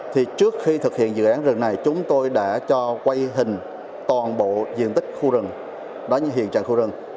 thì trước khi thực hiện dự án rừng này chúng tôi đã cho quay hình toàn bộ diện tích khu rừng đó như hiện trạng khu rừng